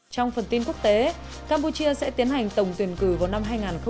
trong phần tin quốc tế campuchia sẽ tiến hành tổng tuyển cử vào năm hai nghìn một mươi tám